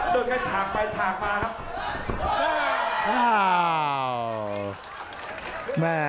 โดนแค่ถากไปถากมาครับ